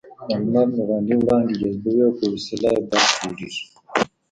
د لمر نوراني وړانګې جذبوي او په وسیله یې برق جوړېږي.